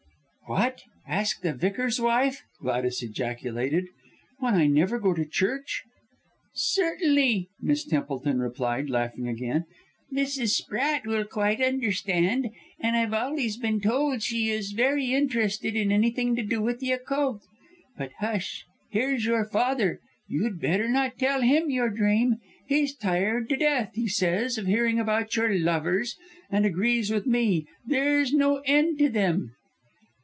"What! ask the Vicar's wife!" Gladys ejaculated, "when I never go to church." "Certainly," Miss Templeton replied, laughing again, "Mrs. Sprat will quite understand. And I've always been told she is very interested in anything to do with the Occult. But hush! Here's your father. You'd better not tell him your dream. He's tired to death, he says, of hearing about your lovers, and agrees with me there's no end to them."